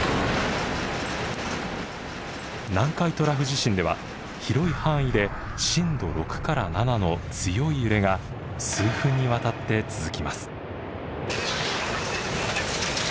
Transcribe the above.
南海トラフ地震では広い範囲で震度６から７の強い揺れが数分にわたって続きます。